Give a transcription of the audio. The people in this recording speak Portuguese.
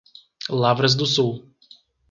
Lavras do Sul